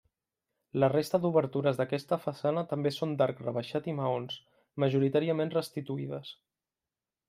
La resta d'obertures d'aquesta façana també són d'arc rebaixat i maons, majoritàriament restituïdes.